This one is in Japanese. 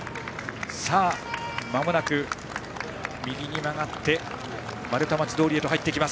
まもなく右に曲がって丸太町通に入っていきます。